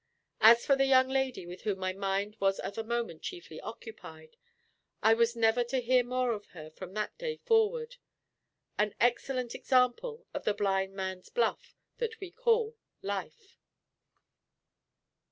As for the young lady with whom my mind was at the moment chiefly occupied, I was never to hear more of her from that day forward: an excellent example of the Blind Man's Buff that we call life.